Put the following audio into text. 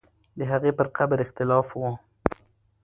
د هغې پر قبر اختلاف وو.